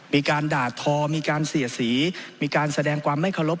มีการด่าทอมีการเสียสีมีการแสดงความไม่เคารพ